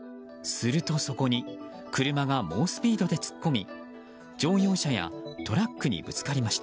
すると、そこに車が猛スピードで突っ込み乗用車やトラックにぶつかりました。